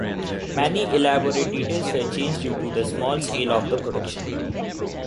Many elaborate details were changed due to the small scale of the production.